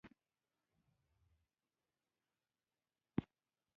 ښه کتاب د یوه ښه ښوونکي په څېر دی.